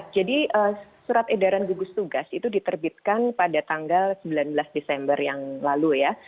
jadi surat edaran gugus tugas itu diterbitkan pada tanggal sembilan belas desember yang lalu ya